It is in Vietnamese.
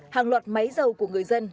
hàng loạt máy dầu của người dân